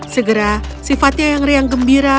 segera sifatnya yang riang gembira